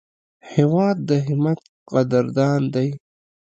هېواد د همت قدردان دی.